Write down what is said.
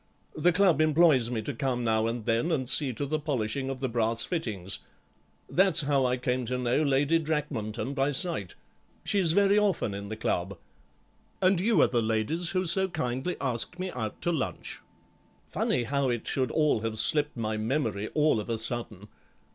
The Club employs me to come now and then and see to the polishing of the brass fittings. That's how I came to know Lady Drakmanton by sight; she's very often in the Club. And you are the ladies who so kindly asked me out to lunch. Funny how it should all have slipped my memory, all of a sudden.